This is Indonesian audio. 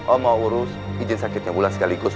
om mau urus izin sakitnya wulan sekaligus